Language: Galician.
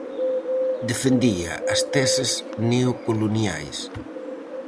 Defendía as teses neocoloniais.